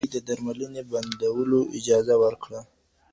کورنۍ د درملنې بندولو اجازه ورکړه.